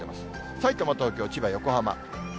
さいたま、東京、千葉、横浜。